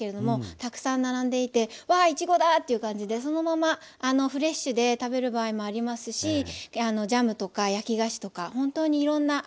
たくさん並んでいてわあいちごだという感じでそのままフレッシュで食べる場合もありますしジャムとか焼き菓子とかほんとにいろんな赤いフルーツの楽しい時期ですね。